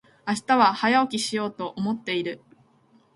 明日は早起きしようと思っている。